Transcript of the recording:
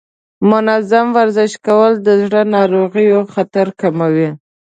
منظم ورزش کول د زړه ناروغیو خطر کموي.